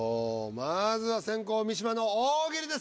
まずは先攻三島の大喜利です。